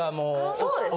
そうです。